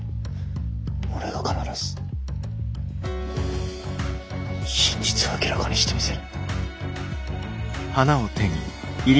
俺が必ず真実を明らかにしてみせる。